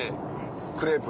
クレープ？